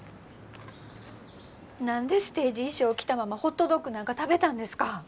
何でステージ衣装着たままホットドッグなんか食べたんですか！